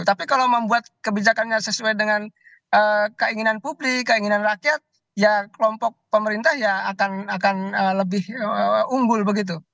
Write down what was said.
tapi kalau membuat kebijakannya sesuai dengan keinginan publik keinginan rakyat ya kelompok pemerintah ya akan lebih unggul begitu